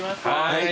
はい。